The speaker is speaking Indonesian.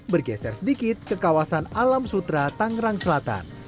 bergeser sedikit ke kawasan alam sutra tangerang selatan